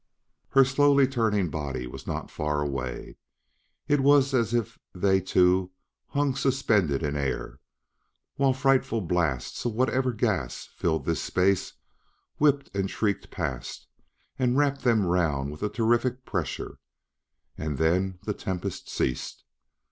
Her slowly turning body was not far away; it was as if they two hung suspended in air, while frightful blasts of whatever gas filled this space whipped and shrieked past and wrapped them round with a terrific pressure. And then the tempest ceased.